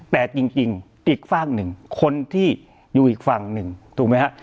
แต่จริงอีกฝากหนึ่งคนที่อยู่อีกฝั่งหนึ่งถูกไหมฮะ